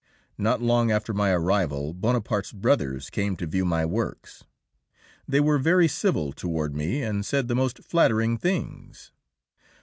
Not long after my arrival Bonaparte's brothers came to view my works; they were very civil toward me, and said the most flattering things.